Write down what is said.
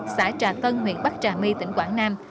xã trà tân huyện bắc trà my tỉnh quảng nam